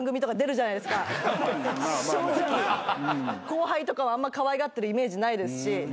後輩とかはあんまかわいがってるイメージないですし。